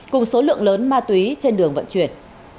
cùng số lượng lớn ma túy trên đường vận chuyển